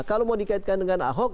kalau mau dikaitkan dengan ahok